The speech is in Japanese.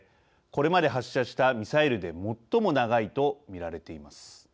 これまで発射したミサイルで最も長いと見られています。